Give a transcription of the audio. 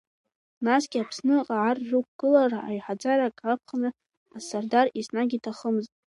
Насгьы Аԥсныҟа ар рықәгылара, аиҳараӡак аԥхынра, асардар еснагь иҭахымызт…